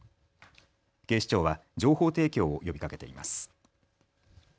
警視庁は情報提供を呼びかけています。